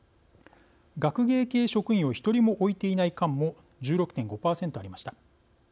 学芸系職員を１人も置いていない館も１６．５％ありました。